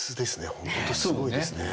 本当すごいですね。